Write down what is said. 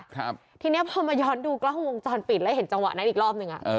ทีเนี้ยพอมาย้อนดูกล้องวงจรปิดแล้วเห็นจังหวะนั้นอีกรอบหนึ่งอ่ะเออ